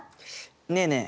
ねえねえ